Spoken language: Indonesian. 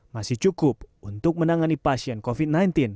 masih cukup untuk menangani pasien covid sembilan belas